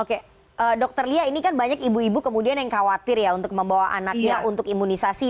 oke dokter lia ini kan banyak ibu ibu kemudian yang khawatir ya untuk membawa anaknya untuk imunisasi